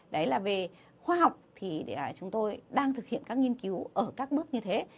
đấy là về khoa học thì chúng tôi đang thực hiện các nghiên cứu ở các bước như thế